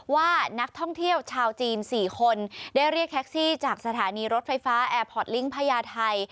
ว่านักท่องเที่ยวชาวจีน๔คนได้เรียกแท็กซี่จากสถานีรถไฟฟ้าแอร์พอร์ตลิงค์พญาไทย